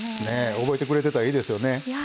覚えてくれてたらいいですよね。